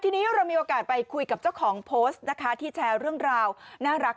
ทีนี้เรามีโอกาสไปคุยกับเจ้าของโพสต์นะคะที่แชร์เรื่องราวน่ารัก